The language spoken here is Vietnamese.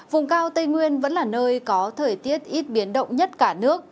vùng cao tây nguyên vẫn là nơi có thời tiết ít biến động nhất cả nước